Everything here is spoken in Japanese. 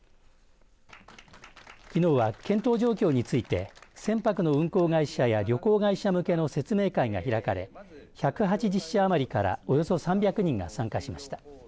きのうは検討状況について船舶の運航会社や旅行会社向けの説明会が開かれ１８０社余りからおよそ３００人が参加しました。